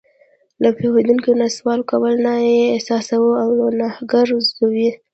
له پوهېدونکي نه د سوال کولو نه یې احساس را ونهګرځوي.